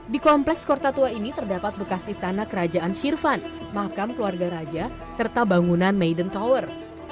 di kompleks kota tua ini terdapat bekas istana kerajaan shirvan makam keluarga raja serta bangunan maident tower